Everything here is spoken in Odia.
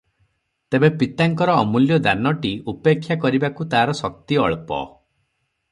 ତେବେ ପିତାଙ୍କର ଅମୂଲ୍ୟ ଦାନଟି ଉପେକ୍ଷା କରିବାକୁ ତାର ଶକ୍ତି ଅଳ୍ପ ।